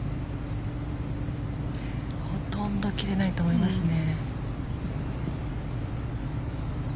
ほとんど切れないと思いますね。